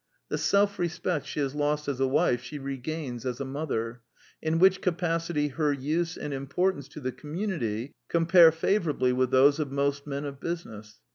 The self respect she has lost as a wife she regains as a mother, in which capacity her use and importance to the com munity compare favorably with those of most men of business.